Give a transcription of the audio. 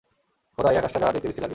খোদা, এই আকাশটা যা দেখতে বিশ্রী লাগে!